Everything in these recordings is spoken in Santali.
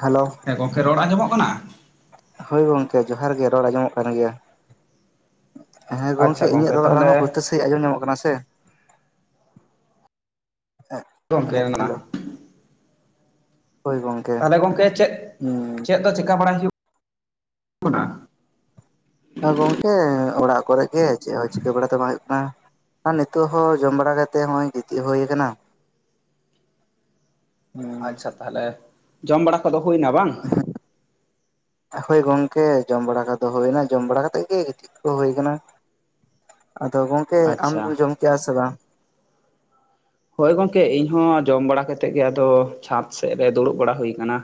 ᱦᱮᱞᱳ ᱦᱮᱸ ᱜᱚᱝᱠᱮ ᱨᱚᱲ ᱟᱸᱡᱚᱢᱚᱜ ᱠᱟᱱᱟ? ᱦᱳᱭ ᱜᱚᱢᱠᱮ ᱡᱚᱦᱟᱨ ᱜᱮ ᱨᱚᱲ ᱟᱸᱡᱚᱢᱚᱜ ᱠᱟᱱ ᱜᱮᱭᱟ᱾ ᱦᱮᱸ ᱜᱚᱝᱠᱮ ᱟᱪᱪᱷᱟ ᱤᱧᱟᱜ ᱨᱚᱲ ᱟᱲᱟᱝ ᱛᱟᱦᱚᱞᱮ ᱩᱥᱴᱟᱹ ᱥᱟ [unintelligible] ᱼᱼ ᱟᱸᱡᱚᱢ ᱧᱟᱢᱚᱜ ᱠᱟᱱᱟ [unintelligible] ᱥᱮ ᱜᱚᱝᱠᱮ ᱦᱮᱞᱳ ᱦᱚᱭ ᱜᱚᱝᱼᱼ ᱛᱟᱦᱞᱮ ᱜᱚᱝᱠᱮ ᱪᱮᱜ, ᱪᱮᱜ ᱫᱚ ᱪᱮᱠᱟ ᱵᱟᱲᱟᱭ ᱦᱩᱭᱩᱜ ᱠᱟᱱᱟ᱾ ᱦᱮᱸ ᱜᱚᱝᱠᱮ ᱚᱲᱟᱜ ᱠᱚᱨᱮᱜ ᱜᱮ ᱪᱮᱜ ᱦᱚᱸ ᱪᱤᱠᱟᱹ ᱵᱟᱲᱟ ᱛᱚ ᱵᱟᱝ ᱦᱩᱭᱩᱜ ᱠᱟᱱᱟ᱾ ᱟᱨ ᱱᱤᱛᱚᱜ ᱦᱚᱸ ᱡᱚᱢ ᱵᱟᱲᱟ ᱠᱟᱛᱮ ᱦᱚᱸᱜᱼᱚᱭ ᱜᱤᱛᱤᱜ ᱦᱩᱭᱟ ᱠᱟᱱᱟ᱾ ᱟᱪᱪᱷᱟ ᱛᱟᱦᱞᱮ ᱡᱚᱢ ᱵᱟᱲᱟ ᱠᱚᱫᱚ ᱦᱩᱭᱱᱟ ᱵᱟᱝ? [inaudible] ᱦᱚᱭ ᱜᱚᱝᱠᱮ ᱡᱚᱢ ᱵᱟᱲᱟ ᱠᱚᱫᱚ ᱦᱩᱭᱮᱱᱟ ᱡᱚᱢ ᱵᱟᱲᱟ ᱠᱟᱛᱮᱜ ᱜᱮ ᱜᱤᱛᱤᱜ ᱠᱚ ᱫᱚ ᱦᱩᱭᱟ ᱠᱟᱱᱟ᱾ ᱟᱫᱚ ᱜᱚᱝᱠᱮ ᱟᱢ ᱟᱪᱪᱷᱟ ᱫᱚ ᱡᱚᱢ ᱠᱮᱜᱼᱟ ᱥᱮ ᱵᱟᱝ? ᱦᱚᱭ ᱜᱚᱝᱠᱮ ᱤᱧᱦᱚᱸ ᱡᱚᱢ ᱵᱟᱲᱟ ᱠᱟᱛᱮᱜ ᱜᱮ, ᱟᱫᱚ ᱪᱷᱟᱛ ᱥᱮᱫ ᱨᱮ ᱫᱩᱲᱩᱵ ᱵᱟᱲᱟ ᱦᱩᱭ ᱟᱠᱟᱱᱟ᱾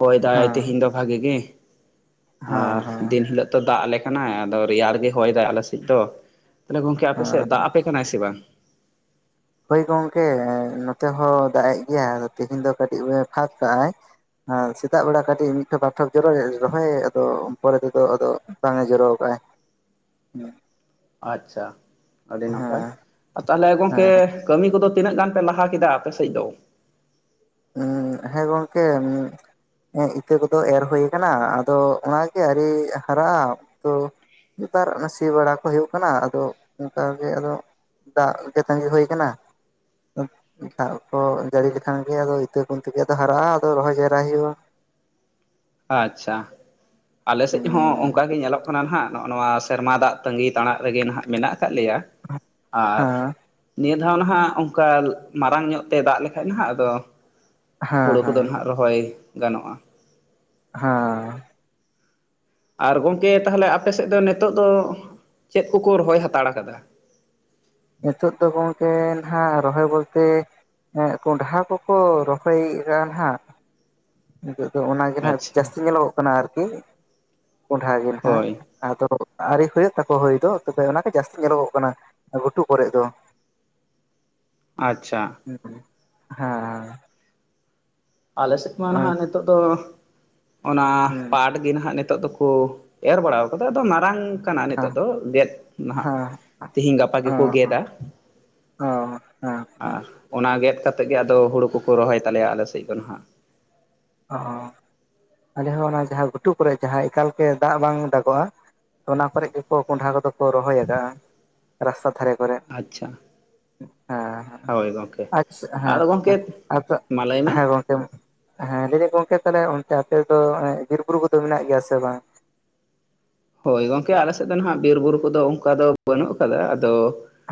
ᱦᱚᱭ ᱫᱟᱭ ᱦᱮᱸ ᱛᱮᱦᱮᱧ ᱫᱚ ᱵᱷᱟᱹᱜᱤ ᱜᱮ ᱦᱮᱸ ᱟᱨ ᱦᱮᱸ ᱫᱤᱱ ᱦᱤᱞᱚᱜᱼᱼ ᱫᱟᱜ ᱟᱞᱮ ᱠᱟᱱᱟᱭ ᱟᱫᱚ ᱨᱮᱭᱟᱲ ᱜᱮ ᱦᱚᱭ ᱫᱟᱭ ᱟᱞᱮ ᱥᱮᱫ ᱫᱚ ᱛᱟᱦᱞᱮ ᱜᱚᱝᱠᱮ ᱟᱯᱮ ᱥᱮᱫ ᱫᱟᱜ ᱦᱮᱸ ᱟᱯᱮ? ᱠᱟᱱᱟᱭ ᱥᱮ ᱵᱟᱝ? ᱦᱚᱭ ᱜᱚᱝᱠᱮ ᱱᱚᱛᱮ ᱦᱚᱸ ᱫᱟᱜ ᱮᱜ ᱜᱮᱭᱟᱭ ᱛᱮᱦᱮᱧ ᱫᱚ ᱠᱟᱹᱴᱤᱜ ᱮ ᱯᱷᱟᱠ ᱠᱟᱜᱼᱟᱭ᱾ ᱦᱮᱸ ᱥᱮᱛᱟᱜ ᱵᱮᱲᱟ ᱠᱟᱹᱴᱤᱜ ᱢᱤᱫᱴᱷᱚᱯ ᱵᱟᱨᱴᱷᱚᱠ ᱡᱚᱨᱚᱭ ᱨᱚᱦᱚᱭ ᱟᱫᱚ ᱯᱚᱨᱮ ᱛᱮᱫᱚ ᱟᱫᱚᱼᱼ ᱵᱟᱝ ᱮ ᱡᱚᱨᱚ ᱟᱠᱟᱜᱼᱟᱭ᱾ ᱟᱪᱪᱷᱟ ᱟᱹᱰᱤ ᱱᱟᱯᱟᱭ ᱦᱮᱸ ᱛᱟᱦᱞᱮ ᱜᱚᱝᱠᱮᱼᱼ ᱠᱟᱹᱢᱤ ᱠᱚᱫᱚ ᱛᱤᱱᱟᱹᱜ ᱜᱟᱱ ᱯᱮ ᱞᱟᱦᱟ ᱠᱮᱫᱟ ᱟᱯᱮ ᱥᱮᱜ ᱫᱚ? ᱮᱸ ᱦᱮᱸ ᱜᱚᱝᱠᱮᱼᱼ ᱤᱛᱟᱹ ᱠᱚᱫᱚ ᱮᱨ ᱦᱩᱭ ᱟᱠᱟᱱᱟ ᱟᱫᱚ ᱚᱱᱟᱜᱮ ᱟᱹᱨᱤ ᱦᱟᱨᱟᱜᱼᱟ ᱛᱚᱼᱼ ᱱᱮᱛᱟᱨ ᱚᱱᱟ ᱥᱤ ᱵᱟᱲᱟ ᱠᱚ ᱦᱩᱭᱩᱜ ᱠᱟᱱᱟ, ᱟᱫᱚ ᱚᱱᱠᱟᱜᱮ ᱟᱫᱚᱼᱼ ᱫᱟᱜ ᱜᱮ ᱛᱟᱸᱜᱤ ᱦᱩᱭ ᱟᱠᱟᱱᱟ, ᱫᱟᱜ ᱠᱚ ᱡᱟᱹᱲᱤ ᱞᱮᱠᱷᱟᱱᱼᱼ [unintelligible] ᱟᱫᱚ ᱤᱛᱟᱹ ᱠᱚ ᱩᱱᱛᱮ ᱫᱚ ᱦᱟᱨᱟᱜᱼᱟ ᱟᱫᱚ ᱨᱚᱦᱚᱭ ᱡᱟᱭᱨᱟ ᱦᱩᱭᱩᱜᱼᱟ᱾ ᱟᱪᱻᱪᱷᱟ ᱟᱞᱮ ᱥᱮᱡ ᱦᱚᱸ ᱦᱮᱸ ᱚᱱᱠᱟ ᱜᱮ ᱧᱮᱞᱚᱜ ᱠᱟᱱᱟ ᱱᱷᱟᱜ ᱱᱚᱜᱼᱱᱚᱣᱟ ᱥᱮᱨᱢᱟ ᱫᱟᱜ ᱛᱟᱺᱜᱤ ᱛᱟᱬᱟᱜ ᱨᱮᱜᱮ ᱱᱷᱟᱜ ᱢᱮᱱᱟᱜ ᱟᱠᱟᱜ ᱞᱮᱭᱟ᱾ ᱟᱨᱼᱼ ᱦᱮᱸ ᱱᱤᱭᱟᱹ ᱫᱷᱟᱣ ᱱᱷᱟᱜ ᱚᱱᱠᱟ ᱢᱟᱨᱟᱝ ᱧᱚᱜ ᱛᱮ ᱫᱟᱜ ᱞᱮᱠᱷᱟᱱ ᱱᱷᱟᱜ ᱟᱫᱚ ᱦᱮᱸ ᱦᱩᱲᱩ ᱠᱚᱫᱚ ᱱᱷᱟᱜᱼᱼ ᱨᱚᱦᱚᱭ ᱜᱟᱱᱚᱜᱼᱟ᱾ ᱦᱟᱸᱻ ᱟᱨ ᱜᱚᱝᱠᱮ ᱛᱟᱦᱞᱮ ᱟᱯᱮ ᱥᱮᱫ ᱫᱚ ᱱᱤᱛᱚᱜ ᱫᱚ ᱪᱮᱫ ᱠᱚᱠᱚ ᱨᱚᱦᱚᱭ ᱦᱟᱛᱟᱲ ᱟᱠᱟᱫᱟ? ᱱᱤᱛᱚᱜ ᱫᱚ ᱜᱚᱝᱠᱮ ᱱᱷᱟᱜ ᱨᱚᱦᱚᱭ ᱵᱚᱞᱛᱮᱼᱼ ᱮᱸ ᱠᱚᱸᱰᱷᱟ ᱠᱚᱠᱚ ᱨᱚᱦᱚᱭ ᱟᱠᱟᱜᱼᱟ ᱦᱟᱸᱜ᱾ ᱱᱤᱛᱚᱜ ᱫᱚ ᱚᱱᱟᱜᱮ ᱦᱟᱸᱜ ᱟᱪᱪᱷᱟ ᱡᱟᱹᱥᱛᱤ ᱧᱮᱞᱚᱜᱚᱜ ᱠᱟᱱᱟ ᱟᱨᱠᱤ ᱠᱚᱸᱰᱷᱟ ᱜᱮ ᱱᱷᱟᱸᱜ᱾ ᱦᱳᱭ ᱟᱫᱚ ᱟᱨᱤ ᱦᱩᱭᱩᱜ ᱛᱟᱠᱚ ᱦᱩᱭ ᱫᱚ ᱛᱚᱵᱮ ᱚᱱᱟ ᱛᱮᱜᱮ ᱡᱟᱹᱥᱛᱤ ᱧᱮᱞᱚᱜ ᱠᱟᱱᱟ ᱜᱷᱩᱴᱩ ᱠᱚᱨᱮᱜ ᱫᱚ᱾ ᱟᱪᱪᱷᱟ᱾ [inaudible] ᱦᱮᱸᱻ ᱟᱞᱮ ᱥᱮᱫ ᱢᱟ ᱱᱷᱟᱜ ᱱᱤᱛᱚᱜ ᱫᱚ ᱚᱱᱟ ᱯᱟᱴᱼᱼ ᱜᱮ ᱱᱷᱟᱜ ᱱᱤᱛᱚᱜ ᱫᱚᱠᱚ ᱮᱨ ᱵᱟᱲᱟ ᱟᱠᱟᱫᱟ ᱟᱫᱚ ᱢᱟᱨᱟᱝᱼᱼ ᱠᱟᱱᱟ ᱱᱤᱛᱚᱜ ᱫᱚ ᱜᱮᱫ ᱱᱷᱟᱜ ᱛᱮᱦᱤᱧ ᱜᱟᱯᱟ ᱜᱮᱠᱚ ᱜᱮᱫᱟ᱾ ᱚᱻ ᱟ ᱟ ᱟᱨ ᱚᱱᱟ ᱜᱮᱫ ᱠᱟᱛᱮ ᱜᱮ ᱟᱫᱚ ᱦᱩᱲᱩ ᱠᱚᱠᱚ ᱨᱚᱦᱚᱭ ᱛᱟᱞᱮᱭᱟ ᱟᱞᱮ ᱥᱮᱜ ᱫᱚ ᱱᱷᱟᱜ᱾ ᱚ ᱟᱞᱮ ᱦᱚᱸ ᱚᱱᱟ ᱡᱟᱦᱟᱸ ᱜᱷᱩᱴᱩ ᱠᱚᱨᱮ ᱡᱟᱦᱟᱸ ᱮᱠᱟᱞ ᱜᱮ ᱫᱟᱜ ᱵᱟᱝ ᱫᱟᱜᱚᱜᱼᱟᱼᱼ ᱚᱱᱟ ᱠᱚᱨᱮ ᱜᱮᱠᱚ ᱠᱚᱸᱰᱷᱟ ᱠᱚᱫᱚ ᱠᱚ ᱨᱚᱦᱚᱭ ᱟᱠᱟᱟᱜᱼᱟ ᱨᱟᱥᱛᱟ ᱫᱷᱟᱨᱮ ᱠᱚᱨᱮ᱾ ᱟᱪᱪᱷᱟ᱾ ᱦᱮᱸ ᱦᱮᱸ ᱦᱳᱭ ᱜᱚᱢᱠᱮ ᱟᱪᱪᱷ ᱦᱮᱸ ᱟᱫᱚ ᱜᱚᱢᱠᱮ ᱦᱮᱸ ᱟᱪᱪᱷᱟ ᱢᱟ ᱞᱟᱹᱭ ᱢᱮ ᱦᱮᱸ ᱜᱚᱝᱠᱮ ᱢᱟ ᱦᱮᱸ ᱞᱟᱹᱭᱫᱟᱹᱧ ᱜᱚᱝᱠᱮ ᱛᱟᱦᱚᱞᱮ ᱚᱱᱛᱮ ᱟᱯᱮ ᱫᱚ ᱮᱸ ᱵᱤᱨ ᱵᱩᱨᱩ ᱠᱚᱫᱚ ᱢᱮᱱᱟᱜ ᱜᱮᱭᱟ ᱥᱮ ᱵᱟᱝ? ᱦᱳᱭ ᱜᱚᱝᱠᱮ ᱟᱞᱮ ᱥᱮᱫ ᱫᱚ ᱱᱟᱦᱟᱸᱜ ᱵᱤᱨ ᱵᱩᱨᱩ ᱠᱚᱫᱚ ᱚᱱᱠᱟ ᱫᱚ ᱵᱟᱹᱱᱩᱜ ᱟᱠᱟᱫᱟ ᱟᱫᱚ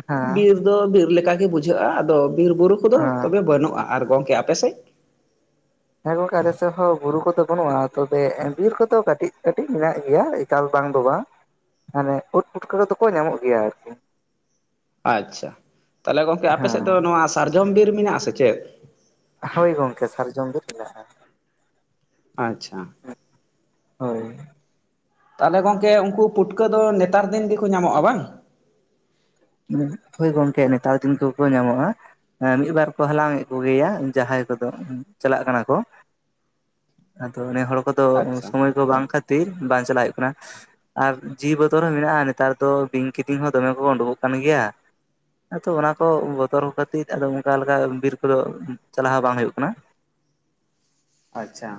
ᱦᱮᱸ ᱵᱤᱨ ᱫᱚ ᱵᱤᱨ ᱞᱮᱠᱟ ᱜᱮ ᱵᱩᱡᱷᱟᱹᱜᱼᱟ ᱟᱫᱚ ᱵᱤᱨ ᱵᱩᱨᱩ ᱠᱚᱫᱚ ᱦᱮᱸ ᱛᱚᱵᱮ ᱵᱟᱹᱱᱩᱜᱼᱟ ᱟᱨ ᱜᱚᱢᱠᱮ ᱟᱯᱮᱥᱮᱫ? ᱦᱮᱸ ᱜᱚᱝᱠᱮ ᱟᱞᱮ ᱥᱮᱫ ᱦᱚᱸ ᱵᱩᱨᱩ ᱠᱚᱫᱚ ᱵᱟᱹᱱᱩᱜᱼᱟ ᱛᱚᱵᱮ ᱮᱸ ᱵᱤᱨ ᱠᱚᱫᱚ ᱠᱟᱹᱴᱤᱡ ᱠᱟᱹᱴᱤᱡ ᱢᱮᱱᱟᱜ ᱜᱮᱭᱟ᱾ ᱪᱟᱞ ᱵᱟᱝ ᱫᱚ ᱵᱟᱝ ᱢᱟᱱᱮ ᱩᱫ ᱯᱩᱴᱠᱟᱹ ᱫᱚᱠᱚ ᱧᱟᱢᱚᱜ ᱜᱮᱭᱟ ᱟᱨᱠᱤ ᱟᱪᱪᱷᱟ ᱛᱟᱦᱚᱞᱮ ᱜᱚᱢᱠᱮ ᱟᱯᱮ ᱦᱮᱸ ᱥᱮᱫ ᱫᱚ ᱱᱚᱣᱟ ᱥᱟᱨᱡᱚᱢ ᱵᱤᱨ ᱢᱮᱱᱟᱜ ᱟ ᱥᱮ ᱪᱮᱫ? ᱦᱳᱭ ᱜᱚᱝᱠᱮ ᱥᱟᱨᱡᱚᱢ ᱵᱤᱨ ᱢᱮᱱᱟᱜᱼᱟ᱾ ᱟᱪᱪᱷᱟ᱾ ᱦᱳᱭ ᱛᱟᱦᱚᱞᱮ ᱜᱚᱝᱠᱮ ᱩᱱᱠᱩ ᱯᱩᱴᱠᱟᱹ ᱫᱚ ᱱᱮᱛᱟᱨ ᱫᱤᱱ ᱜᱮᱠᱚ ᱧᱟᱢᱚᱜᱼᱟ ᱵᱟᱝ? ᱦᱳᱭ ᱜᱚᱝᱠᱮ ᱱᱮᱛᱟᱨ ᱫᱤᱱ ᱛᱚ ᱠᱚ ᱧᱟᱢᱚᱜᱼᱟ᱾ ᱮᱸ ᱢᱤᱫ ᱵᱟᱨ ᱠᱚ ᱦᱟᱞᱟᱝ ᱠᱚᱜᱮᱭᱟ ᱡᱟᱦᱟᱸᱭ ᱠᱚᱫᱚ ᱪᱟᱞᱟᱜ ᱠᱟᱱᱟ ᱠᱚ ᱟᱫᱚ ᱱᱮ ᱦᱚᱲ ᱠᱚᱫᱚ ᱟᱪᱪᱷᱟ ᱥᱚᱢᱚᱭ ᱠᱚ ᱵᱟᱝ ᱠᱷᱟᱹᱛᱤᱨ ᱠᱷᱟᱹᱛᱤᱨ ᱵᱟᱝ ᱪᱟᱞᱟᱜ ᱦᱩᱭᱩᱜ ᱠᱟᱱᱟ ᱟᱨ ᱡᱤ ᱵᱚᱛᱚᱨ ᱦᱚᱸ ᱢᱮᱱᱟᱜᱼᱟ ᱱᱮᱛᱟᱨ ᱫᱚ ᱵᱤᱧ ᱠᱤᱫᱤ ᱦᱚᱸ ᱫᱚᱢᱮ ᱠᱚ ᱩᱰᱩᱠᱚᱜ ᱠᱟᱱᱟ᱾ ᱠᱟᱱ ᱜᱮᱭᱟ? ᱦᱮᱸ ᱛᱚ ᱚᱱᱟ ᱠᱚ ᱵᱚᱛᱚᱨ ᱵᱟᱠᱷᱟᱨ ᱛᱤᱜᱤᱫ ᱟᱫᱚ ᱚᱱᱠᱟ ᱞᱮᱠᱟ ᱵᱤᱨ ᱠᱚᱫᱚ ᱪᱟᱞᱟᱣ ᱦᱚᱸ ᱵᱟᱝ ᱦᱩᱭᱩᱜ ᱠᱟᱱᱟ᱾ ᱟᱪᱪᱷᱟ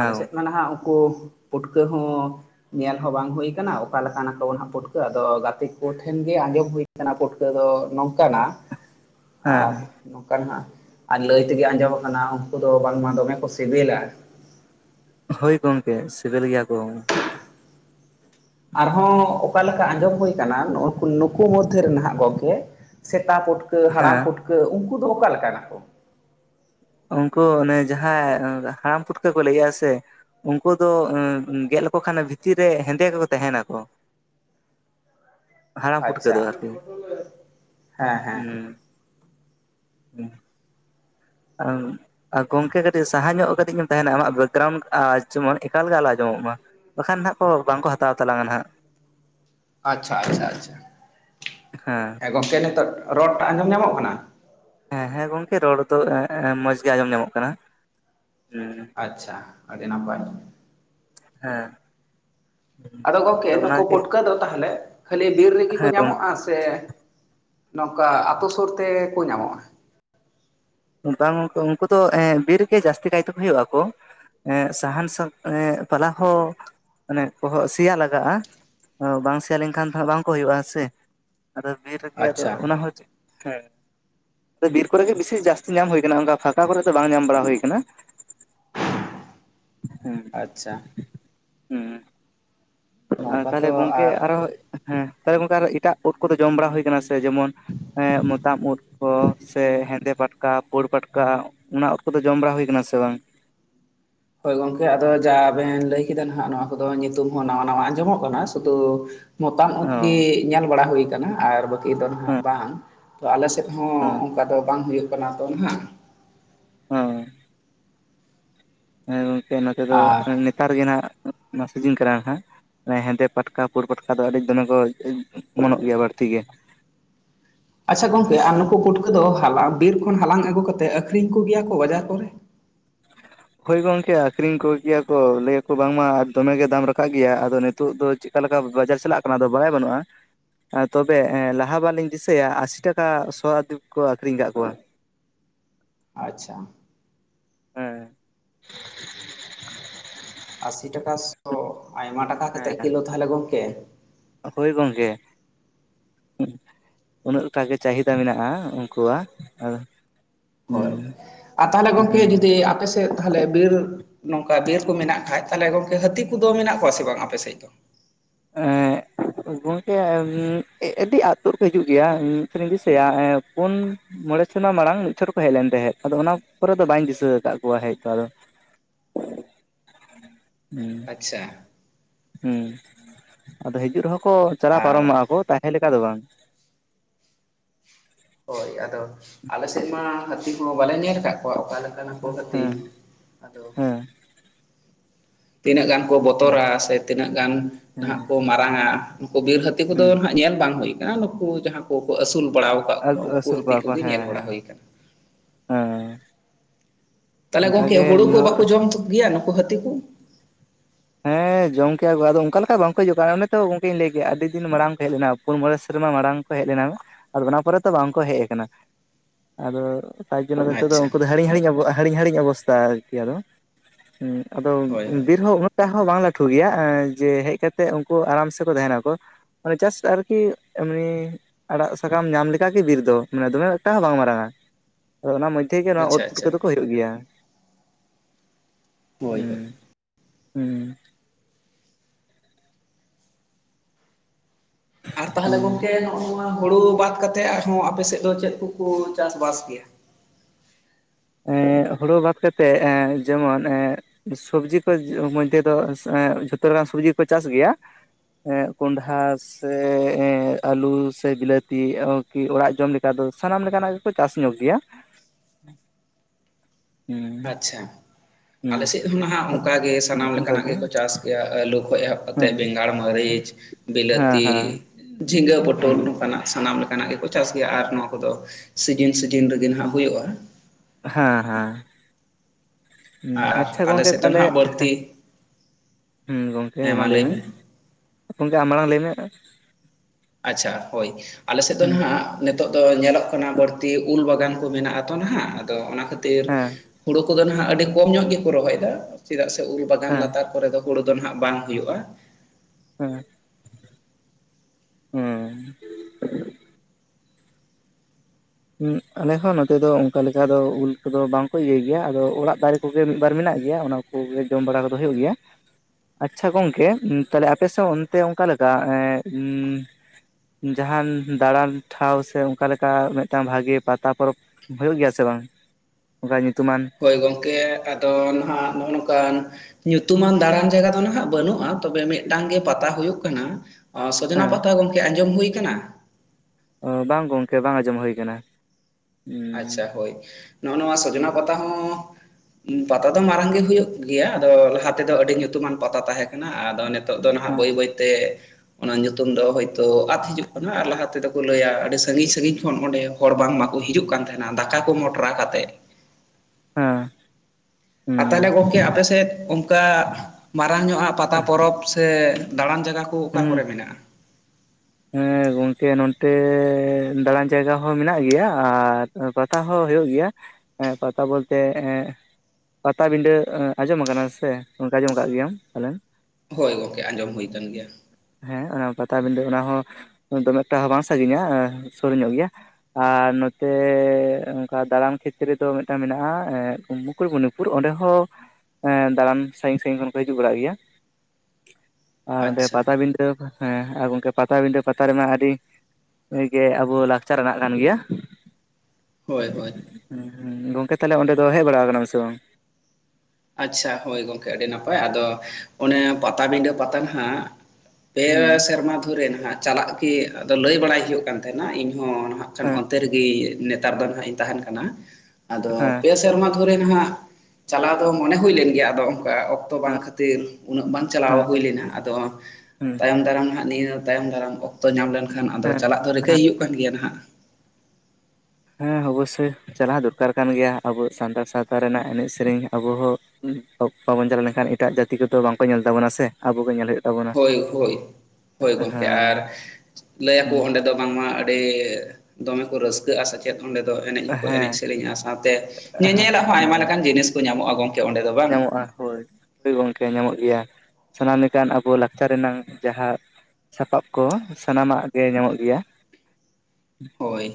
ᱟᱞᱮ ᱥᱮᱫ ᱢᱟ ᱱᱟᱦᱟᱸᱜ ᱩᱱᱠᱩ ᱯᱩᱴᱠᱟᱹ ᱦᱚᱸ ᱧᱮᱞ ᱦᱚᱸ ᱵᱟᱝ ᱦᱩᱭ ᱟᱠᱟᱱᱟ ᱚᱠᱟᱞᱮᱠᱟ ᱱᱟᱠᱚ ᱦᱟᱸᱜ ᱯᱩᱴᱠᱟᱹ ᱟᱫᱚ ᱜᱟᱛᱮ ᱠᱚᱴᱷᱮᱱ ᱜᱮ ᱟᱸᱡᱚᱢ ᱦᱩᱭ ᱾ ᱠᱟᱱᱟ ᱯᱩᱴᱠᱟᱹ ᱫᱚ ᱱᱚᱝᱠᱟᱱᱟ᱾ [inaudible] ᱟᱨ ᱱᱚᱝᱠᱟ ᱱᱟᱦᱟᱸᱜ ᱟᱨ ᱞᱟᱹᱭ ᱛᱮᱜᱮ ᱟᱸᱡᱚᱢ ᱟᱠᱟᱱᱟ ᱩᱱᱠᱩ ᱫᱚ ᱵᱟᱝᱢᱟ ᱫᱚᱢᱮ ᱠᱚ ᱥᱤᱵᱤᱞᱟ᱾ ᱦᱳᱭ ᱜᱚᱝᱠᱮ ᱥᱤᱵᱤᱞ ᱜᱮᱭᱟ ᱠᱚ᱾ ᱟᱨ ᱦᱚᱸ ᱚᱠᱟ ᱞᱮᱠᱟ ᱟᱸᱡᱚᱢ ᱦᱩᱭ ᱟᱠᱟᱱᱟ ᱱᱩᱭᱱᱩᱠᱩ ᱱᱩᱠᱩ ᱢᱚᱫᱽᱫᱷᱮ ᱨᱮ ᱱᱟᱦᱟᱸᱜ ᱜᱚᱢᱠᱮ ᱥᱮᱛᱟ ᱯᱩᱴᱠᱟᱹ ᱦᱟᱲᱟᱢ ᱦᱮᱸ ᱯᱩᱴᱠᱟᱹ ᱩᱱᱠᱩ ᱫᱚ ᱚᱠᱟᱞᱮᱠᱟᱱᱟ ᱠᱚ? ᱩᱱᱠᱩ ᱚᱱᱮ ᱡᱟᱦᱟᱸᱭ ᱦᱟᱲᱟᱢ ᱯᱩᱴᱠᱟᱹ ᱠᱚ ᱞᱟᱹᱭᱮᱜᱼᱟ ᱥᱮ ᱩᱱᱠᱩ ᱫᱚ ᱮᱸ ᱜᱮᱫ ᱞᱮᱠᱚ ᱠᱷᱟᱱ ᱵᱷᱤᱛᱤᱨ ᱨᱮ ᱦᱮᱸᱫᱮ ᱜᱮᱠᱚ ᱛᱟᱦᱮᱱᱟᱠᱚ᱾ ᱦᱟᱲᱟᱢ ᱯᱩᱴᱠᱟᱹ ᱫᱚ ᱟᱨᱠᱤ ᱟᱪᱪᱷᱟ ᱦᱩᱸ ᱦᱮᱸ ᱦᱮᱸ ᱦᱮᱸ ᱟᱨ [unintelligible] ᱟᱨ ᱜᱚᱝᱠᱮ ᱠᱟᱹᱴᱤᱡ ᱥᱟᱦᱟ ᱧᱚᱜ ᱠᱟᱹᱛᱤᱡ ᱜᱤᱢ ᱛᱟᱦᱮᱱᱟ ᱟᱢᱟᱜ ᱵᱮᱠᱜᱨᱚᱣᱩᱱᱰ ᱟᱡ ᱡᱮᱢᱚᱱ ᱮᱠᱟᱞᱮ ᱟᱞᱚ ᱟᱸᱚᱢᱚᱜ ᱢᱟ᱾ ᱵᱟᱠᱷᱟᱱ ᱦᱟᱸᱜ ᱠᱚ ᱵᱟᱝᱠᱚ ᱦᱟᱛᱟᱣ ᱛᱟᱞᱟᱝᱟ ᱱᱟᱦᱟᱸᱜ ᱟᱪᱪᱷᱟ ᱟᱪᱪᱷᱟ ᱟᱪᱪᱷᱟ ᱦᱮᱸ ᱜᱚᱝᱠᱮ ᱱᱤᱛᱚᱜ ᱨᱚᱰ ᱴᱟᱜ ᱟᱸᱡᱚᱢ ᱧᱟᱢᱚᱜ ᱠᱟᱱᱟ? ᱦᱮᱸ ᱦᱮᱸ ᱜᱚᱝᱠᱮ ᱨᱚᱲ ᱫᱚ ᱮᱸ ᱢᱚᱡᱽ ᱜᱮ ᱟᱸᱡᱚᱢ ᱧᱟᱢᱚᱜ ᱠᱟᱱᱟ᱾ ᱟᱪᱪᱷᱟ ᱟᱹᱰᱤ ᱱᱟᱯᱟᱭ ᱦᱮᱸ᱾ ᱟᱫᱚ ᱜᱚᱝᱠᱮ ᱱᱩᱠᱩ ᱯᱚᱴᱠᱟᱹ ᱫᱚ ᱛᱟᱦᱚᱞᱮ ᱠᱷᱟᱹᱞᱤ ᱵᱤᱨ ᱨᱮᱜᱤ ᱠᱚ ᱦᱮᱸ ᱵᱟᱝ ᱧᱟᱢᱚᱜᱼᱟ ᱥᱮ ᱥᱮ ᱱᱚᱝᱠᱟ ᱟᱛᱩ ᱥᱩᱨ ᱛᱮᱠᱚ ᱧᱟᱢᱚᱜᱼᱟ? ᱵᱟᱝ ᱩᱱᱠᱩ ᱫᱚ ᱵᱤᱨ ᱨᱮᱜᱮ ᱡᱟᱹᱥᱛᱤ ᱠᱟᱭᱛᱮᱠᱚ ᱦᱩᱭᱩᱜ ᱟᱠᱚ ᱮᱸ ᱥᱟᱦᱟᱱ ᱥᱟᱜ ᱯᱟᱞᱟ ᱦᱚᱸ ᱢᱟᱱᱮ ᱚᱱᱮ ᱠᱚᱜ ᱥᱮᱭᱟ ᱞᱟᱜᱟᱜᱼᱟ᱾ ᱚ ᱵᱟᱝ ᱥᱮᱭᱟ ᱞᱮᱱᱠᱷᱟᱱ ᱫᱚ ᱵᱟᱝ ᱠᱚ ᱦᱩᱭᱩᱜᱼᱟ ᱦᱮᱸᱥᱮ ᱟᱫᱚ ᱵᱤᱨ ᱨᱮᱜᱮ ᱟᱫᱚ ᱟᱪᱪᱷᱟ ᱚᱱᱟ ᱦᱚᱸ ᱪᱮᱫ ᱦᱮᱸ ᱟᱫᱚ ᱵᱤᱨ ᱠᱚᱨᱮ ᱜᱮ ᱵᱮᱥᱤ ᱡᱟᱹᱥᱛᱤ ᱧᱟᱢ ᱦᱩᱭ ᱠᱟᱱᱟ ᱚᱝᱠᱟ ᱯᱷᱟᱸᱠᱟ ᱠᱚᱨᱮ ᱫᱚ ᱵᱟᱝ ᱧᱟᱢ ᱵᱟᱲᱟ ᱦᱩᱭ ᱠᱟᱱᱟ ᱦᱩᱸ᱾ ᱟᱪᱪᱷᱟ᱾ ᱩᱸ᱾ ᱱᱚᱝᱠᱟ ᱛᱟᱦᱞᱮ ᱛᱚ ᱜᱚᱝᱠᱮ ᱟᱨ ᱟᱨᱦᱚᱸ, ᱦᱮᱸ ᱛᱟᱦᱞᱮ ᱜᱚᱝᱠᱮ ᱮᱴᱟᱜ ᱩᱫ ᱠᱚᱫᱚ ᱡᱚᱢ ᱵᱟᱲᱟ ᱦᱩᱭ ᱟᱠᱟᱱᱟ ᱥᱮ? ᱡᱮᱢᱚᱱ ᱢᱚᱛᱟᱢ ᱩᱫ ᱠᱚ ᱥᱮ ᱦᱮᱸᱫᱮ ᱯᱟᱴᱠᱟ, ᱯᱩᱲ ᱯᱟᱴᱠᱟ ᱚᱱᱟ ᱩᱫ ᱠᱚᱫᱚ ᱡᱚᱢ ᱵᱟᱲᱟ ᱦᱩᱭᱩ ᱟᱠᱟᱱᱟ ᱥᱮ ᱵᱟᱝ? ᱦᱳᱭ ᱜᱚᱝᱠᱮ ᱟᱫᱚ ᱡᱟᱦᱟᱸ ᱵᱮᱱ ᱞᱟᱹᱭ ᱠᱮᱫᱟ ᱱᱷᱟᱜ ᱱᱚᱶᱟ ᱠᱚᱫᱚ ᱧᱩᱛᱩᱢ ᱦᱚᱸ ᱱᱟᱶᱟ ᱱᱟᱶᱟ ᱟᱸᱡᱚᱢᱚᱜ ᱠᱟᱱᱟ, ᱥᱩᱫᱩ ᱢᱚᱛᱟᱢ ᱩᱫ ᱚ ᱜᱮ ᱧᱮᱞ ᱵᱟᱲᱟ ᱦᱩᱭ ᱟᱠᱟᱱᱟ ᱟᱨ ᱵᱟᱹᱠᱤ ᱫᱚ ᱱᱷᱟᱜ ᱦᱮᱸ ᱵᱟᱝ, ᱛᱚ ᱟᱞᱮᱥᱮᱫ ᱦᱚᱸ ᱦᱮᱸ ᱚᱱᱠᱟ ᱫᱚ ᱵᱟᱝ ᱦᱩᱭᱩᱜ ᱠᱟᱱᱟ ᱛᱚ ᱱᱷᱟᱜ᱾ [unintelligible] ᱦᱮᱸ ᱜᱚᱝᱠᱮ ᱱᱚᱛᱮ ᱫᱚ ᱟᱨ ᱱᱮᱛᱟᱨ ᱜᱮ ᱱᱷᱟᱜ ᱚᱱᱟ ᱥᱤᱡᱤᱱ ᱠᱟᱱᱟ ᱱᱷᱟᱜ᱾ ᱮᱸ ᱦᱮᱸᱫᱮ ᱯᱟᱴᱠᱟ ᱯᱩᱰ ᱯᱟᱴᱠᱟ ᱫᱚ ᱟᱹᱰᱤ ᱫᱚᱢᱮ ᱜᱚ ᱚᱢᱚᱱᱚᱜ ᱜᱮᱭᱟ ᱵᱟᱹᱲᱛᱤ ᱜᱮ᱾ ᱟᱪᱷᱟ ᱜᱚᱝᱠᱮ ᱟᱨ ᱱᱩᱠᱩ ᱯᱩᱴᱠᱟᱹ ᱫᱚ ᱦᱟᱞᱟᱝ ᱵᱤᱨ ᱠᱷᱚᱱ ᱦᱟᱞᱟᱝ ᱟᱹᱜᱩ ᱠᱟᱛᱮᱫ ᱟᱹᱠᱷᱨᱤᱧ ᱠᱚ ᱜᱮᱭᱟ ᱠᱚ ᱵᱟᱡᱟᱨ ᱠᱚᱨᱮ? [inaudible] ᱦᱳᱭ ᱜᱚᱝᱠᱮ ᱟᱹᱠᱷᱨᱤᱧ ᱠᱚᱜᱮᱭᱟ ᱠᱚ᱾ ᱞᱟᱹᱭᱟ ᱠᱚ ᱵᱟᱝᱢᱟ ᱫᱚᱢᱮ ᱜᱮ ᱫᱟᱢ ᱨᱟᱠᱟᱵ ᱜᱮᱭᱟ᱾ ᱟᱫᱚ ᱱᱤᱛᱳ ᱫᱚ ᱪᱮᱜ ᱚᱠᱟ ᱞᱮᱠᱟ ᱵᱟᱡᱟᱨ ᱪᱟᱞᱟᱜ ᱠᱟᱱᱟ, ᱟᱫᱚ ᱵᱟᱲᱟᱭ ᱵᱟᱹᱱᱩᱜᱼᱟ᱾ ᱛᱚᱵᱮ ᱮᱸ ᱞᱟᱦᱟ ᱵᱟᱨ ᱞᱤᱧ ᱫᱤᱥᱟᱹᱭᱟ, ᱟᱥᱤ ᱴᱟᱠᱟ ᱥᱚ ᱟᱹᱫᱤᱵ ᱠᱚ ᱟᱹᱷᱨᱤᱧ ᱟᱠᱟᱫ ᱠᱚᱣᱟ᱾ ᱟᱪᱷᱟ᱾ ᱦᱩᱸ᱾ ᱟᱥᱤ ᱴᱟᱠᱟ ᱥᱚ ᱟᱭᱢᱟ ᱴᱟᱠᱟ ᱠᱟᱛᱮᱫ ᱠᱤᱞᱳ ᱛᱟᱦᱞᱮ ᱜᱚᱝᱠᱮ? ᱦᱳᱭ ᱜᱚᱝᱠᱮ᱾ ᱩᱱᱟᱹᱜ ᱚᱱᱠᱟ ᱜᱮ ᱪᱟᱦᱤᱫᱟ ᱢᱮᱱᱟᱜᱼᱟ ᱩᱱᱠᱩᱣᱟᱜ ᱟᱨ ᱦᱳᱭ᱾ ᱟᱨ ᱛᱟᱦᱞᱮ ᱦᱩᱸ ᱜᱚᱝᱠᱮ ᱡᱩᱫᱤ ᱟᱯᱮ ᱥᱮᱫ ᱛᱟᱦᱞᱮ ᱵᱤᱨ ᱱᱚᱝᱠᱟ ᱵᱤᱨ ᱠᱚ ᱢᱮᱱᱟᱜ ᱠᱷᱟᱡ, ᱛᱟᱦᱞᱮ ᱜᱚᱝᱠᱮ ᱦᱟᱹᱛᱤ ᱠᱚᱫᱚ ᱢᱮᱱᱟᱜ ᱠᱚᱣᱟ ᱥᱮ ᱵᱟᱝ ᱟᱯᱮᱥᱮᱫ ᱫᱚ? ᱮᱸᱻᱜ᱾ ᱜᱚᱝᱠᱮ ᱩᱸᱻ ᱟᱹᱰᱤ ᱟᱫᱛᱩᱫ ᱠᱚ ᱦᱤᱡᱩᱜ ᱜᱮᱭᱟ᱾ ᱩᱸ [unintelligible] ᱯᱩᱱ ᱢᱚᱬᱮ ᱥᱮᱨᱢᱟ ᱢᱟᱲᱟᱝ ᱢᱤᱫ [unintelligible] ᱠᱚ ᱦᱮᱡ ᱞᱮᱱ ᱛᱟᱦᱮᱸᱫ᱾ ᱟᱫᱚ ᱚᱱᱟ ᱯᱚᱨᱮ ᱫᱚ ᱵᱟᱹᱧ ᱫᱤᱥᱟᱹ ᱟᱠᱟᱫ ᱠᱚᱣᱟ ᱦᱮᱡ ᱫᱚ ᱟᱫᱚ᱾ [unintelligible] ᱪᱷᱟ᱾ ᱦᱩᱸ᱾ ᱟᱫᱚ ᱦᱤᱡᱩᱜ ᱨᱮᱦᱚᱸ ᱠᱚ ᱪᱟᱞᱟ ᱟᱨ ᱯᱟᱨᱚᱢᱚᱜᱼᱟ ᱠᱚ, ᱛᱟᱦᱮᱸ ᱞᱮᱠᱟ ᱫᱚ ᱵᱟᱝ᱾ ᱦᱳᱭ, ᱟᱫᱚ ᱟᱞᱮᱥᱮᱫ ᱢᱟ ᱦᱟᱹᱛᱤ ᱠᱚᱦᱚᱸ ᱵᱟᱞᱮ ᱧᱮᱞ ᱟᱠᱟᱫ ᱠᱚᱣᱟ, ᱚᱠᱟ ᱞᱮᱠ ᱠᱟᱱᱟ ᱠᱚ ᱦᱟᱹᱛᱤ᱾ ᱦᱮᱸ ᱟᱫᱚ ᱦᱮᱸ ᱛᱤᱱᱟᱹᱜ ᱜᱟᱱ ᱠᱚ ᱦᱮᱸ ᱵᱚᱛᱚᱨᱟ ᱥᱮ ᱛᱤᱱᱟᱹᱜ ᱜᱟᱱ ᱦᱮᱸ ᱱᱷᱟᱜ ᱠᱚ ᱢᱟᱨᱟᱝᱟ, ᱱᱩᱠᱩ ᱵᱤᱨ ᱦᱟᱹᱛ ᱟᱹᱛᱤ ᱠᱚᱫᱚ ᱦᱮᱸ ᱱᱷᱟᱜ ᱧᱮᱞ ᱵᱟᱝ ᱦᱩᱭ ᱟᱠᱟᱱᱟ, ᱱᱩᱠᱩ ᱡᱟᱦᱟᱸ ᱠᱚ ᱠᱚ ᱟᱹᱥᱩᱞ ᱵᱟᱲᱟᱣ ᱠᱟᱫ ᱠᱚᱣᱟ ᱩᱱᱠᱩ ᱟᱹᱥᱩᱞ ᱦᱟᱹᱛᱤ ᱠᱚᱜᱮ ᱧᱮᱞ ᱵᱟᱲᱟ ᱦᱩᱭ ᱟᱠᱟᱱᱟ᱾ ᱦᱟᱸ᱾ ᱛᱟᱦᱞᱮ ᱜᱚᱝᱠᱮ ᱦᱩᱲᱩ ᱠᱚ ᱵᱟᱠᱚ ᱤᱧᱦᱚᱸ ᱡᱚᱢ ᱛᱷᱩᱠ ᱜᱮᱭᱟ ᱱᱩᱠᱩ ᱦᱟᱹᱛᱤ ᱠᱚ? ᱦᱮᱸ, ᱡᱚᱢ ᱠᱮᱭᱟ ᱠᱚ᱾ ᱟᱫᱚ ᱚᱱᱠᱟ ᱞᱮᱠᱟ ᱵᱟᱝ ᱠᱚ ᱦᱤᱡᱩᱜ ᱠᱟᱱᱟ᱾ ᱚᱱᱮ ᱛᱚ ᱜᱚᱝᱠᱮᱧ ᱞᱟᱹᱭ ᱠᱮᱫ-ᱟ᱾ ᱟᱹᱰᱤ ᱫᱤᱱ ᱢᱟᱲᱟᱝ ᱠᱚ ᱦᱮᱡ ᱞᱮᱱᱟ, ᱯᱩᱱ-ᱢᱚᱬᱮ ᱥᱮᱨᱢᱟ ᱢᱟᱲᱟᱝ᱾ ᱠᱚ ᱦᱮᱡ ᱞᱮᱱᱟ, ᱟᱫᱚ ᱚᱱᱟ ᱯᱚᱨᱮ ᱛᱚ ᱵᱟᱝ ᱠᱚ ᱦᱮᱡ ᱟᱠᱟᱱᱟ᱾ ᱟᱫᱚ ᱛᱟᱨᱡᱚᱱᱱᱚ ᱱᱤᱛᱚᱜ ᱫᱚ ᱟᱪᱪᱷᱟ ᱩᱱᱠᱩ ᱫᱚ ᱦᱟᱹᱲᱤ-ᱦᱟᱹᱲᱤᱧ ᱧᱚᱜᱚᱜ-ᱟ, ᱦᱟᱹᱲᱤ-ᱦᱟᱹᱲᱤᱧ ᱚᱵᱚᱥᱛᱟ ᱟᱨᱠᱤ ᱟᱫᱚ᱾ ᱟᱫᱚ ᱦᱳᱭ ᱦᱳᱭ ᱵᱤᱨ ᱦᱚᱸ ᱩᱱᱟᱹᱜ ᱴᱟᱜ ᱦᱚᱸ ᱵᱟᱝ ᱞᱟᱹᱴᱩ ᱜᱮᱭᱟ ᱡᱮ ᱦᱮᱡ ᱠᱟᱛ ᱛᱮ ᱩᱱᱠᱩ ᱟᱨᱟᱢ ᱥᱮᱠᱚ ᱛᱟᱦᱮᱱᱟ ᱠᱚ᱾ ᱢᱟᱱᱮ ᱡᱟᱹᱥᱴ ᱟᱨᱠᱤ ᱮᱢᱱᱤ ᱟᱲᱟᱜ ᱥᱟᱠᱟᱢ ᱧᱟᱢ ᱞᱮᱠᱟ ᱜᱮ ᱵᱤᱨ ᱫᱚ ᱢᱟᱱᱮ ᱫᱚᱢᱮ ᱮᱠᱴᱟ ᱦᱚᱸ ᱵᱟᱝ ᱢᱟᱨᱟᱝᱟ᱾ ᱟᱫᱚ ᱚᱱᱟ ᱢᱚᱫᱽᱫᱷᱮ ᱜᱮ ᱱᱚᱶᱟ ᱟᱪᱪᱷᱟ ᱩᱫ ᱯᱩᱴᱠᱟᱹ ᱟᱪᱪᱷᱟ ᱫᱚᱠᱚ [unintelligible] ᱜᱮᱭᱟ᱾ ᱦᱳᱭ ᱦᱩᱸ ᱦᱳᱭ᱾ ᱦᱩᱸ᱾ ᱟᱨ ᱛᱟᱦᱮᱞᱮ ᱦᱩᱸ ᱜᱚᱝᱠᱮ ᱱᱚᱜᱼᱱᱚᱣᱟ ᱦᱩᱲᱩ ᱵᱟᱫ ᱠᱟᱛᱮᱜ ᱟᱨᱦᱚᱸ ᱟᱯᱮᱥᱮᱫ ᱫᱚ ᱪᱮᱫ ᱠᱚᱠᱩ ᱪᱟᱥᱵᱟᱥ ᱜᱮᱭᱟ? ᱮᱸ ᱦᱩᱲᱳ ᱵᱟᱫ ᱠᱟᱛᱮᱜ ᱮᱸ ᱡᱮᱢᱚᱱ ᱮᱸ ᱥᱚᱵᱽᱡᱤ ᱠᱚ ᱡᱮ ᱢᱚᱫᱷᱭᱮ ᱫᱚ ᱮᱸ ᱡᱷᱚᱛᱚ ᱞᱮᱠᱟᱱ ᱥᱚᱵᱽᱡᱤ ᱠᱚ ᱪᱟᱥ ᱜᱮᱭᱟ, ᱮᱸᱜ ᱠᱚᱱᱰᱷᱟᱥ ᱥᱮ ᱮᱸ ᱟᱹᱞᱩ ᱥᱮ ᱵᱤᱞᱟᱹᱛᱤ ᱚ ᱠᱤ ᱚᱲᱟᱜ ᱡᱚᱢ ᱞᱮᱠᱟ ᱫᱚ ᱥᱟᱱᱟᱢ ᱞᱮᱠᱟᱱᱟᱜ ᱜᱮᱠᱚ ᱪᱟᱥ ᱧᱚᱜ ᱜᱮᱭᱟ᱾ ᱦᱩᱸ ᱟᱪᱪᱷᱟ ᱦᱩᱸ ᱟᱞᱮᱥᱮᱫ ᱦᱚᱸ ᱱᱷᱟᱸᱜ ᱚᱱᱠᱟ ᱜᱮ ᱥᱟᱱᱟᱢ ᱞᱮᱠᱟᱱᱟᱜ ᱚᱱᱠᱟᱜᱮ ᱜᱮᱠᱚ ᱪᱟᱥ ᱠᱮᱜᱼᱟ, ᱟᱹᱞᱩ ᱠᱷᱚᱡ ᱚᱦᱚᱜ ᱠᱟᱛᱮᱫ ᱦᱮᱸ ᱵᱮᱸᱜᱟᱲ, ᱢᱟᱹᱨᱤᱪ ᱦᱮᱸ ᱵᱤᱞᱟᱹᱛᱤ ᱦᱮᱸ ᱡᱷᱤᱸᱜᱟᱹ, ᱯᱚᱴᱚᱞ, ᱦᱩᱸ ᱱᱚᱝᱠᱟᱱᱟᱜ ᱥᱟᱱᱟᱢ ᱞᱮᱠᱟᱱᱟᱜ ᱜᱮᱠᱚ ᱪᱟᱥ ᱜᱮᱭᱟ ᱟᱨ ᱱᱚᱣᱟ ᱠᱚᱫᱚ ᱥᱤᱡᱤᱱ ᱥᱤᱡᱤᱱ ᱨᱮᱜᱮ ᱱᱷᱟᱸᱜ ᱦᱩᱭᱩᱜᱼᱟ᱾ ᱦᱮᱸ ᱦᱮᱸ, ᱩᱸ ᱟᱨ ᱟᱪᱪᱷᱟ ᱟᱞᱮ ᱜᱚᱝᱠᱮ ᱥᱮᱫ ᱫᱚ ᱛᱟᱦᱞᱮᱜ ᱱᱟᱦᱟᱜ ᱮᱸ ᱦᱮᱸ ᱵᱟᱹᱲᱛᱤ ᱦᱩᱸ ᱜᱚᱝᱠᱮ ᱢᱟ ᱞᱟᱹᱭ ᱢᱮ, ᱜᱚᱝᱠᱮ ᱟᱢ ᱢᱟᱲᱟᱝ ᱞᱟᱹᱭ ᱢᱮ? ᱟᱪᱪᱷᱟ ᱦᱳᱭ ᱟᱞᱮ ᱥᱮᱫ ᱫᱚ ᱦᱩᱸ ᱱᱷᱟᱸᱜ ᱱᱤᱛᱚᱜ ᱫᱚ ᱧᱮᱞᱚᱜ ᱠᱟᱱᱟ ᱵᱟᱹᱲᱛᱤ ᱩᱞ ᱵᱟᱜᱟᱱ ᱠᱚ ᱢᱮᱱᱟᱜᱼᱟ ᱛᱚ ᱱᱷᱟᱸᱜ ᱟᱫᱚ ᱚᱱᱟ ᱠᱷᱟᱹᱛᱤᱨ ᱦᱮᱸ ᱦᱩᱲᱩ ᱠᱚᱫᱚ ᱱᱷᱟᱸᱜ ᱟᱹᱰᱤ ᱠᱚᱢ ᱧᱚᱜ ᱜᱮᱠᱚ ᱨᱚᱦᱚᱭ ᱮᱫᱟ, ᱪᱮᱫᱟᱜ ᱥᱮ ᱩᱞ ᱵᱟᱜᱟᱱ ᱦᱮᱸ ᱞᱟᱛᱟᱨ ᱠᱚᱨᱮ ᱫᱚ ᱦᱩᱲᱩ ᱫᱚ ᱱᱷᱟᱸᱜ ᱵᱟᱝ ᱦᱩᱭᱩᱜᱼᱟ᱾ ᱦᱮᱸ, ᱦᱩᱸ ᱦᱩᱸ ᱟᱞᱮ ᱦᱚᱸ ᱱᱚᱛᱮ ᱫᱚ ᱚᱸᱠᱟ ᱞᱮᱠᱟ ᱫᱚ ᱩᱞ ᱠᱳᱫᱳ ᱵᱟᱝ ᱠᱚ ᱤᱭᱟᱹᱭ ᱜᱮᱭᱟ, ᱟᱫᱚ ᱚᱲᱟᱜ ᱫᱟᱨᱮ ᱠᱚᱜᱮ ᱢᱤᱫ ᱵᱟᱨ ᱢᱮᱱᱟᱜ ᱜᱮᱭᱟ ᱚᱱᱟ ᱠᱩᱜᱮ ᱡᱚᱢ ᱵᱟᱲᱟ ᱠᱚᱫᱚ ᱦᱩᱭᱩᱜ ᱜᱮᱭᱟ, ᱟᱪᱪᱷᱟ ᱜᱚᱝᱠᱮ ᱩᱸ ᱛᱟᱦᱮᱞᱮ ᱟᱯᱮᱥᱮᱜ ᱚᱱᱛᱮ ᱚᱸᱠᱟ ᱮᱸ ᱞᱮᱠᱟ ᱩᱸ ᱡᱟᱦᱟᱸᱱ ᱫᱟᱬᱟᱱ ᱴᱷᱟᱶ ᱥᱮ ᱚᱸᱠᱟ ᱞᱮᱠᱟ ᱢᱮᱫ- ᱴᱟᱝ ᱵᱷᱟᱜᱮ ᱯᱟᱛᱟ ᱯᱚᱨᱚᱵᱽ ᱦᱩᱭᱩᱜ ᱜᱮᱭᱟ ᱥᱮ ᱵᱟᱝ ᱚᱸᱠᱟ ᱧᱩᱛᱩᱢᱟᱱ ᱦᱳᱭ ᱜᱚᱝᱠᱮ ᱟᱫᱚ ᱱᱷᱟᱸᱜ ᱱᱚᱜᱼᱚ ᱱᱚᱝᱠᱟᱱ ᱧᱩᱛᱩᱢᱟᱱ ᱫᱟᱬᱟᱱ ᱡᱟᱜᱟ ᱫᱚ ᱱᱷᱟᱸᱜ ᱵᱟᱹᱱᱩᱜᱼᱟ, ᱛᱚᱵᱮ ᱢᱮᱫᱴᱟᱝ ᱜᱮ ᱯᱟᱛᱟ ᱦᱩᱭᱩᱜ ᱠᱟᱱᱟ, ᱚᱸ ᱥᱚᱡᱽᱱᱟ ᱦᱮᱸ ᱯᱟᱛᱟ ᱜᱚᱝᱠᱮ ᱟᱸᱡᱚᱢ ᱦᱩᱭ ᱠᱟᱱᱟ? ᱚᱸ ᱵᱟᱝ ᱜᱚᱝᱠᱮ ᱵᱟᱝ ᱟᱸᱡᱚᱢ ᱦᱩᱭ ᱟᱠᱟᱱᱟ᱾ ᱟᱪᱪᱷᱟ ᱦᱳᱭ, ᱱᱚᱜᱼᱚᱼᱱᱚᱣᱟ ᱥᱚᱡᱽᱱᱟ ᱯᱟᱛ- ᱛᱟ ᱦᱚᱸ, ᱩᱸ ᱯᱟᱛᱟ ᱫᱚ ᱢᱟᱨᱟᱝ ᱜᱮ ᱦᱩᱭᱩᱜ ᱜᱮᱭᱟ ᱟᱫᱚ ᱞᱟᱦᱟ ᱛᱮᱫᱚ ᱟᱹᱰᱤ ᱧᱩ- ᱛᱩᱢᱟᱱ ᱯᱟᱛᱟ ᱛᱟᱦᱮᱸ ᱠᱟᱱᱟ, ᱟᱫᱚ ᱱᱤᱛᱚᱜ ᱫᱚ ᱱᱷᱟᱸᱜ ᱦᱮᱸ ᱵᱟᱹᱭ ᱵᱟᱹᱭᱛᱮ ᱚᱱᱟ ᱧᱩᱛᱩᱢ ᱫᱚ ᱦᱳᱭᱛᱳ ᱟᱫ ᱦᱤᱡᱩᱜ ᱠᱟᱱᱟ ᱟᱨ ᱞᱟᱦᱟ ᱛᱮᱫᱚ ᱠᱚ ᱞᱟᱹᱭᱟ ᱟᱹᱰᱤ ᱥᱟᱺᱜᱤᱧ ᱥᱟᱺᱜᱤᱧ ᱠᱷᱚᱱ ᱚᱸᱰᱮ ᱦᱚᱲ ᱵᱟᱝ ᱢᱟᱠᱚ ᱦᱤᱡᱩᱜ ᱠᱟᱱ ᱛᱟᱦᱮᱸᱱᱟ, ᱫᱟᱠᱟ ᱠᱚ ᱢᱚᱴᱨᱟ ᱠᱟᱛᱮᱜ᱾ ᱦᱮᱸ, ᱟ ᱛᱟᱦᱮᱞᱮ ᱜᱚᱝᱠᱮ ᱟᱯᱮᱥᱮᱫ ᱚᱸᱠᱟ ᱢᱟᱨᱟᱝ ᱧᱚᱜ ᱟᱜ ᱯᱟᱛᱟ ᱯᱚᱨᱚᱵᱽ ᱥᱮ ᱫᱟᱬᱟᱱ ᱡᱟᱜᱟ ᱠᱚ ᱚᱠᱟ ᱦᱩᱸ ᱠᱚᱨᱮ ᱢᱮᱱᱟᱜᱼᱟ? ᱦᱮᱸ ᱜᱚᱝᱠᱮ ᱱᱚᱱᱛᱮᱻ ᱫᱟᱬᱟᱱ ᱡᱟᱭᱜᱟ ᱦᱚᱸ ᱢᱮᱱᱟᱜ ᱜᱮᱭᱟ ᱟᱨ ᱮᱸ ᱯᱟᱛᱟ ᱦᱚᱸ ᱦᱳᱭᱳᱜ ᱜᱮᱭᱟ, ᱮᱸ ᱯᱟᱛᱟ ᱵᱚᱞᱛᱮ ᱮᱸ ᱯᱟᱛᱟ ᱵᱤᱸᱰᱟᱹ, ᱟᱸ ᱟᱸᱡᱚᱢ ᱟᱠᱟᱱᱟ ᱥᱮ ᱜᱚᱝᱠᱮ ᱟᱸᱡᱚᱢ ᱟᱠᱟᱜ ᱜᱮᱭᱟᱢ ᱯᱟᱞᱮᱱ? ᱦᱳᱭ ᱜᱚᱝᱠᱮ ᱟᱸᱡᱚᱢ ᱦᱩᱭ ᱠᱟᱱ ᱜᱮᱭᱟ᱾ ᱦᱮᱸ ᱚᱱᱟ ᱯᱟᱛᱟ ᱵᱤᱸᱰᱟᱹ ᱚᱱᱟ ᱦᱚᱸ ᱫᱚᱢᱮ ᱴᱟᱦ ᱦᱚᱸ ᱵᱟᱝ ᱥᱟᱺᱜᱤᱧᱟ, ᱟᱸ ᱥᱩᱨ ᱧᱚᱜ ᱜᱮᱭᱟ᱾ ᱟᱨ ᱱᱚᱛᱮ ᱚᱸᱠᱟ ᱫᱟᱬᱟᱱ ᱠᱷᱮᱛᱨᱮ ᱫᱚ ᱢᱮᱫᱴᱟᱝ ᱢᱮᱱᱟᱜᱼᱟ, ᱮᱸ ᱠᱩ ᱢᱩᱠᱩᱬ ᱵᱩᱱᱤ᱾ ᱯᱩᱨᱟᱹ ᱚᱸᱰᱮ ᱦᱚ, ᱮᱸ ᱫᱟᱬᱟᱱ ᱥᱟᱺᱜᱤᱧ ᱥᱟᱺᱜᱤᱧ ᱠᱷᱚᱱ ᱠᱚ ᱦᱤᱡᱩᱜ ᱵᱟᱲᱟᱜ ᱜᱮᱭᱟ᱾ ᱟᱨ ᱚᱸᱰᱮ ᱟᱪᱪᱷᱟ ᱯᱟᱛᱟ ᱵᱤᱸᱫᱟᱹᱵᱽ ᱦᱮᱸ ᱟᱨ ᱜᱚᱝᱠᱮ ᱯᱟᱛᱟ ᱵᱤᱸᱰᱷᱟᱹ ᱯᱟᱛᱟ ᱨᱮᱢᱟ ᱟᱹᱰᱤ ᱮ ᱜᱮ ᱟᱵᱚ ᱞᱟᱠᱪᱟᱨ ᱨᱮᱱᱟᱜ ᱠᱟᱱ ᱜᱮᱭᱟ᱾ ᱦᱳᱭ ᱦᱚᱭ᱾ ᱮᱸ ᱦᱮᱸ ᱦᱮᱸ, ᱜᱚᱝᱠᱮ ᱛᱟᱦᱮᱞᱮ ᱚᱸᱰᱮ ᱫᱚ ᱦᱮᱜ ᱵᱟᱲᱟᱣ ᱟᱠᱟᱱᱟ ᱵᱤᱱ ᱥᱮ ᱵᱟᱝ? ᱟᱪᱪᱷᱟ ᱦᱳᱭ ᱜᱚᱝᱠᱮ ᱟᱹᱰᱤ ᱱᱟᱯᱟᱭ, ᱟᱫᱚ ᱚᱱᱮ ᱯᱟᱛᱟ ᱵᱤᱰᱷᱟᱹ ᱯᱟᱛᱟ ᱱᱷᱟᱸᱜ ᱦᱩᱸ ᱯᱮ ᱥᱮᱨᱢᱟ ᱫᱷᱚᱨᱮ ᱱᱟᱦᱟᱜ ᱪᱟᱞᱟᱜ ᱠᱤ ᱟᱫᱚ ᱞᱟᱹᱭ ᱵᱟᱲᱟᱭ ᱦᱩᱭᱩᱜ ᱠᱟᱱ ᱛᱟᱦᱮᱼᱟ ᱤᱧᱦ ᱱᱟᱟᱜ ᱠᱷ ᱦᱮᱸ ᱚᱱᱛᱮ ᱨᱮᱜᱮ ᱱᱮᱛᱟᱨ ᱫᱚ ᱱᱟᱟᱜ ᱤᱧ ᱛᱟᱦᱮᱱ ᱠᱟᱱᱟ ᱟᱫᱚ ᱦᱮᱸ ᱯᱮᱥᱼᱼ ᱥᱮᱨᱢᱟ ᱫᱷᱚᱨᱮ ᱱᱟᱦ ᱪᱟᱞᱟᱣ ᱫᱚ ᱢᱚᱱᱮ ᱦᱩᱭ ᱞᱮᱱ ᱜᱮᱭᱟ ᱟᱫᱚ ᱚᱱᱠᱟᱼᱼ ᱚᱠᱛᱚ ᱵᱟᱝ ᱦᱮᱸ ᱠᱷᱟᱹᱛᱤᱨ ᱩᱱᱟᱹᱜ ᱵᱟᱝ ᱪᱟᱞᱟᱣ ᱦᱮᱸ ᱦᱩᱭ ᱞᱮᱱᱟ ᱟᱫᱚ ᱦᱮᱸ ᱛᱟᱭᱚᱢ ᱫᱟᱨᱟᱢ ᱱᱟᱟᱜᱼᱼ ᱱᱤᱭᱟᱹ ᱛᱟᱭᱚᱢ ᱫᱟᱨᱟᱢ ᱚᱠᱛᱚ ᱧᱟᱢ ᱞᱮᱱᱠᱷᱟᱱ ᱟᱫᱚ ᱦᱮᱸ ᱪᱟᱞᱟᱜ ᱫᱚ ᱨᱤᱠᱟᱹᱭ ᱦᱩᱭᱩᱜ ᱠᱟᱱ ᱜᱮᱭᱟ ᱱᱟᱦᱟᱜ᱾ ᱦᱮᱸ ᱚᱵᱚᱥᱥᱳᱭ ᱪᱟᱞᱟᱣ ᱫᱚᱨᱠᱟᱨ ᱠᱟᱱ ᱜᱮᱭᱟ ᱟᱵᱚ ᱥᱟᱱᱛᱟᱲ ᱥᱟᱶᱛᱟ ᱨᱮᱱᱟᱜ ᱮᱱᱮᱡ ᱥᱮᱨᱮᱧ ᱟᱵᱚ ᱦᱚᱸᱼᱼ ᱵᱟᱵᱚᱱ ᱪᱟᱞᱟᱣ ᱞᱮᱱᱠᱷᱟᱱ ᱮᱴᱟᱜ ᱡᱟᱹᱛᱤ ᱠᱚᱫᱚ ᱵᱟᱝᱠᱚ ᱧᱮᱞ ᱛᱟᱵᱚᱱᱟ ᱥᱮᱼᱼ ᱟᱵᱚ ᱜᱮ ᱧᱮᱞ ᱦᱩᱭᱩᱜ ᱛᱟᱚᱱᱟ᱾ ᱦᱳᱭ ᱦᱳᱭ ᱦᱳᱭ ᱜᱚᱢᱠᱮ ᱟᱨ ᱞᱟᱹᱭᱟᱠᱚ ᱦᱮᱸ ᱚᱸᱰᱮᱼᱼ ᱫᱚ ᱵᱟᱝᱢᱟ ᱟᱹᱰᱤ ᱫᱚᱢᱮ ᱠᱚ ᱨᱟᱹᱥᱠᱟᱹᱜᱼᱟ ᱥᱮᱼᱼ ᱪᱮᱫ ᱚᱸᱰᱮ ᱫᱚ ᱮᱱᱮᱡ ᱦᱚᱸᱠᱚ ᱮᱱᱮᱡ ᱦᱮᱸ ᱥᱮᱨᱮᱧᱟ ᱥᱟᱶᱛᱮ ᱧᱮᱧᱮᱞᱟᱜ ᱦᱚᱸ ᱟᱭᱢᱟ ᱦᱮᱸ ᱞᱮᱠᱟᱱ ᱡᱤᱱᱤᱥ ᱠᱚ ᱧᱟᱢᱚᱜᱼᱟ ᱜᱚᱝᱠᱮᱼᱼ ᱧᱟᱢᱚᱜᱼᱟ ᱦᱳᱭ ᱦᱚ ᱜᱚᱢᱠᱮ ᱧᱟᱢᱚᱜ ᱜᱮᱭᱟ ᱥᱟᱱᱟᱢ ᱞᱮᱠᱟᱱ ᱟᱵᱚ ᱞᱟᱠ ᱪᱟᱨᱱᱟᱝ ᱡᱟᱦᱟᱸᱼ ᱥᱟᱯᱟᱵ ᱠᱚ ᱥᱟᱱᱟᱢᱟᱜ ᱜᱮ ᱧᱟᱢᱚᱜ ᱜᱮᱭᱟ᱾ ᱦᱳᱭ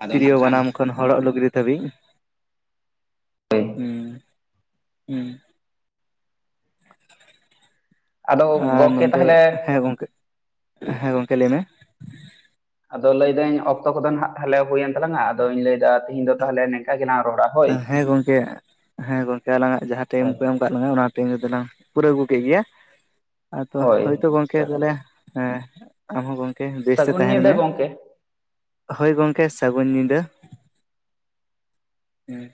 ᱟᱫᱚ ᱱᱟᱜ ᱛᱨᱤᱭᱳ ᱠᱷᱟᱱ ᱵᱟᱱᱟᱢ ᱠᱷᱚᱱᱼᱼ ᱦᱚᱲᱚᱜ ᱞᱩᱜᱽᱤ ᱫᱷᱟᱹᱵᱤᱡ ᱦᱮᱸ ᱟᱫᱚ ᱟᱨ ᱜᱚᱢᱠᱮ ᱱᱚᱸᱰᱮ ᱛᱟᱦᱚᱞᱮ ᱦᱮᱸ ᱜᱚᱝᱠᱮ ᱦᱮᱸ ᱜᱚᱝᱠᱮ ᱞᱟᱹᱭ ᱢᱮ? ᱟᱫᱚ ᱞᱟᱹᱭᱫᱟᱹᱧ ᱚᱠᱛᱚ ᱠᱚᱫᱚ ᱱᱟᱦᱟᱸᱜ ᱛᱟᱦᱚᱞᱮ ᱦᱩᱭᱮᱱ ᱛᱟᱞᱟᱝᱟ ᱟᱫᱚᱧ ᱞᱟᱹᱭᱫᱟ ᱛᱤᱦᱤᱧ ᱫᱚ ᱛᱟᱦᱚᱞᱮ ᱱᱤᱝᱠᱟ ᱜᱮᱞᱟᱝ ᱨᱚᱲᱟ᱾ ᱦᱳᱭ ᱦᱮᱸ ᱜᱚᱝᱠᱮ ᱦᱮᱸ ᱜᱚᱝᱠᱮ ᱟᱞᱟᱝᱟᱜ ᱡᱟᱦᱟᱸ ᱴᱟᱭᱤᱢ ᱦᱳᱭ ᱠᱚ ᱮᱢᱼᱼ ᱮᱢ ᱠᱟᱜ ᱞᱟᱝᱟ ᱚᱱᱟ ᱴᱟᱭᱤᱢ ᱨᱮᱫᱚ ᱞᱟᱝ ᱯᱩᱨᱟᱹᱣ ᱟᱹᱜᱩ ᱠᱮᱫ ᱜᱮᱭᱟ ᱟᱫᱚ ᱦᱳᱭ ᱦᱚᱭᱛᱳ ᱜᱚᱢᱠᱮ ᱛᱟᱦᱚᱞᱮᱼᱼ ᱦᱮᱸ ᱟᱢ ᱦᱚᱸ ᱜᱚᱢᱠᱮ ᱵᱮᱥᱛᱮ ᱥᱟᱹᱜᱩᱱ ᱛᱟᱦᱮᱸᱱ ᱧᱤᱫᱟᱹ ᱢᱮᱼᱼ ᱜᱚᱢᱠᱮ ᱦᱳᱭ ᱜᱚᱢᱠᱮ ᱥᱟᱹᱜᱩᱱ ᱧᱤᱫᱟᱹ ᱦᱮᱸ